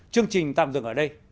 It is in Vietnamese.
chương trình tạm dừng ở đây